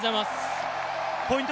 ポイント